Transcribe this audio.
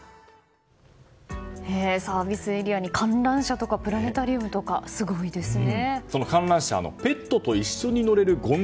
サービスエリアに観覧車とかプラネタリウムとかすごいですね。